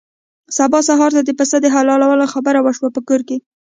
سبا سهار ته د پسه د حلالولو خبره وشوه په کور کې.